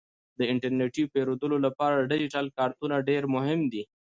د انټرنیټي پیرودلو لپاره ډیجیټل کارتونه ډیر مهم دي.